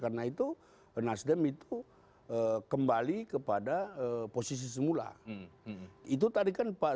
karena itu penas depan itu kembali kepada posisi semula itu tadi kan pak